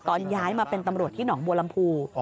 ตอนย้ายมาเป็นตำรวจที่หนอกบวรรมภู